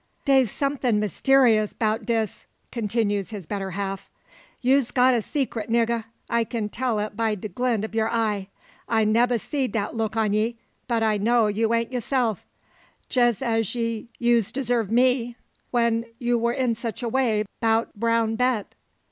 "Da's somethin' mysteerus 'bout dis," continues his better half. "You'se got a seecrit, nigga; I kin tell it by de glint ob yer eye. I nebba see dat look on ye, but I know you ain't yaseff; jess as ye use deseeve me, when you war in sich a way 'bout brown Bet."